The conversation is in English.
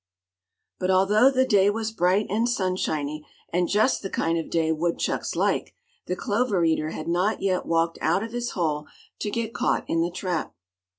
But although the day was bright and sunshiny, and just the kind of day woodchucks like, the clover eater had not yet walked out of his hole to get caught in the trap.